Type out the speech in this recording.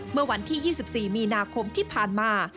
เมื่อวันที่๒๔มีนาคมที่ผ่านมา